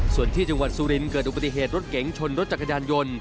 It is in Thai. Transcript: ส่วนที่จังหวัดสุรินเกิดอุบัติเหตุรถเก๋งชนรถจักรยานยนต์